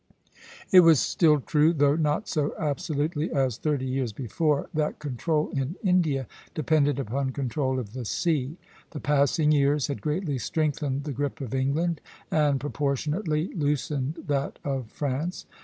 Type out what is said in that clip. It was still true, though not so absolutely as thirty years before, that control in India depended upon control of the sea. The passing years had greatly strengthened the grip of England, and proportionately loosened that of France.